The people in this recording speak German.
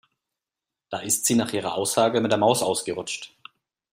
Da ist sie nach ihrer Aussage mit der Maus ausgerutscht.